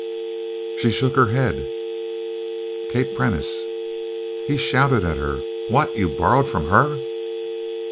She shook her head. "Kate Prentice." He shouted at her. "What? You borrowed from her?"